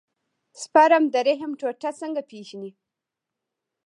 سپرم د رحم ټوټه څنګه پېژني.